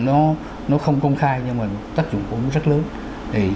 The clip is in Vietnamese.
nó không công khai nhưng mà tác dụng cũng rất lớn